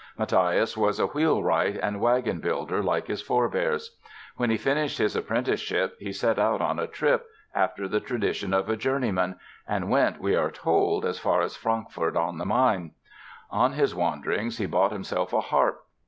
Mathias was a wheel wright and wagon builder, like his forebears. When he finished his apprenticeship he set out on a trip, after the tradition of a journeyman, and went, we are told, as far as Frankfurt on the Main. On his wanderings he bought himself a harp.